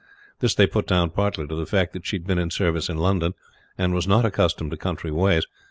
This they put down partly to the fact that she had been in service in London, and was not accustomed to country ways.